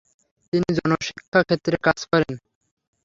তিনি জন শিক্ষা ক্ষেত্রে কাজ করেন।